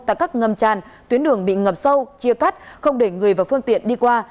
tại các ngầm tràn tuyến đường bị ngập sâu chia cắt không để người và phương tiện đi qua